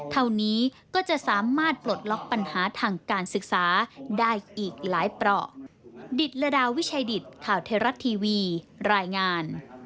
เท่านี้ก็จะสามารถปลดล็อกปัญหาทางการศึกษาได้อีกหลายเปราะทีวีรายงาน